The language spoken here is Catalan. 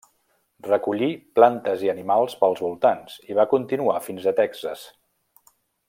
Recollí plantes i animals pels voltants i va continuar fins a Texas.